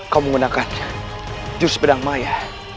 kau menggunakan jurus pedang maya